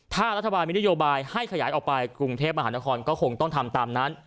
ถ้ารัฐบาลมีนโยบายให้ขยายออกไปกรุงเทพมหานครก็คงต้องทำตามนั้น